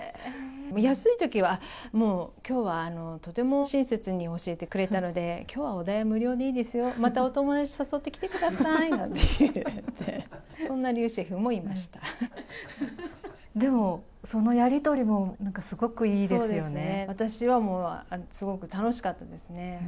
安いときはもう、きょうはとても親切に教えてくれたので、きょうはお代、無料でいいですよ、またお友達誘ってきてくださいなんて言って、そんな竜でも、そのやり取りもなんかそうですね、私はもう、すごく楽しかったですね。